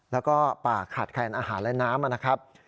แล้วก็ป่าขาดแคลนอาหารและน้ำนะครับ